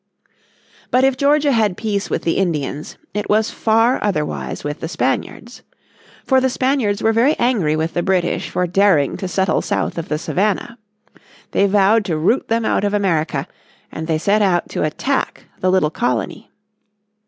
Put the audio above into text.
But if Georgia had peace with the Indians it was far otherwise with the Spaniards. For the Spaniards were very angry with the British for daring to settle south of the Savannah. They vowed to root them out of America, and they set out to attack the little colony.